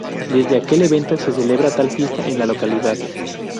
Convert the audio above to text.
Desde aquel evento se celebra tal fiesta en la localidad.